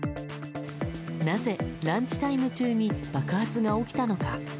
なぜランチタイム中に爆発が起きたのか。